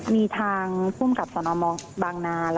มีทางผู้กำกับสอนอบังนา